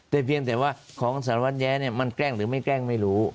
แต่เพียงแต่ว่าของสารวัตรแย้เนี่ยมันแกล้งหรือไม่แกล้งไม่รู้